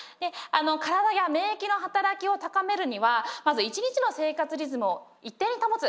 体や免疫の働きを高めるにはまず一日の生活リズムを一定に保つ。